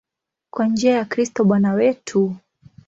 Kwa njia ya Kristo Bwana wetu.